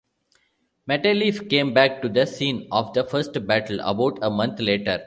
Matelief came back to the scene of the first battle about a month later.